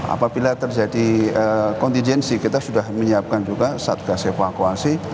apabila terjadi kontingensi kita sudah menyiapkan juga satgas evakuasi